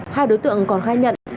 hai đối tượng còn khai nhận